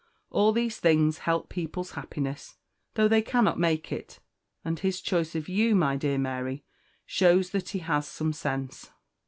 All these things help people's happiness, though they cannot make it; and his choice of you, my dear Mary, shows that he has some sense."